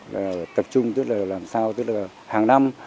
và tập trung tức là làm sao tức là hàng năm